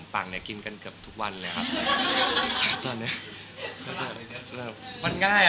แต่ละคนก็มีค้านั้นว่าเป็นยังไง